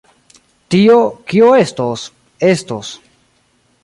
Tio, kio estos, estos.